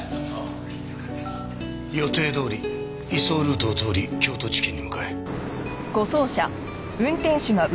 予定どおり移送ルートを通り京都地検に向かえ。